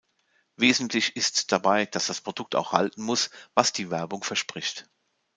Wesentlich ist dabei, dass das Produkt auch halten muss, was die Werbung verspricht.